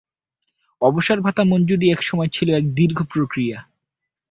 অবসরভাতা মঞ্জুরি একসময় ছিল এক দীর্ঘ প্রক্রিয়া।